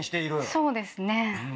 そうですね。